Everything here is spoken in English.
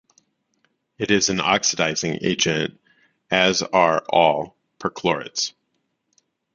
It is an oxidizing agent, as are all perchlorates.